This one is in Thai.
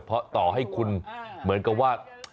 เพราะต่อให้คุณเหมือนกับว่า